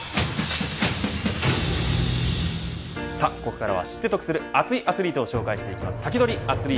ここからは知って得する熱いアスリートを紹介していきますサキドリ！